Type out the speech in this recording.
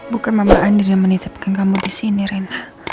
bukan mama andi yang menitipkan kamu disini rena